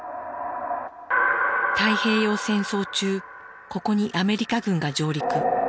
太平洋戦争中ここにアメリカ軍が上陸。